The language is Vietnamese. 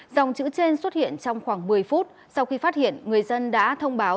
dòng chữ trên xuất hiện trong khoảng một mươi phút sau khi phát hiện người dân đã thông báo